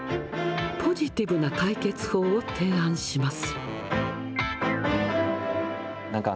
ポジティブな解決法を提案します。